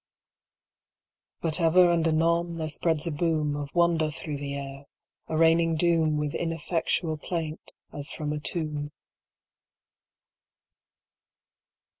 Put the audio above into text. But ever and anon there spreads a boomOf wonder through the air, arraigning doomWith ineffectual plaint as from a tomb.